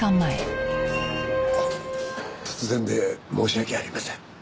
突然で申し訳ありません。